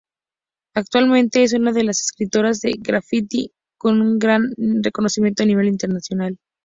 Actualmente es una de las escritoras de grafiti con gran reconocimiento a nivel internacional.